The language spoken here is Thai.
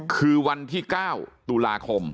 คือวันที่๙ตุลาคม